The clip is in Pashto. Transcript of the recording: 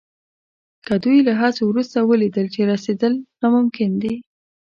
که دوی له هڅو وروسته ولیدل چې رسېدل ناممکن دي.